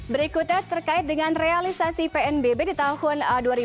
berikutnya terkait dengan realisasi pnbb di tahun dua ribu dua puluh